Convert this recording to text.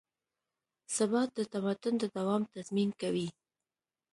ثبات د تمدن د دوام تضمین کوي.